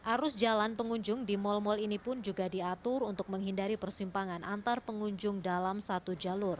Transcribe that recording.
arus jalan pengunjung di mal mal ini pun juga diatur untuk menghindari persimpangan antar pengunjung dalam satu jalur